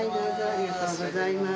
ありがとうございます。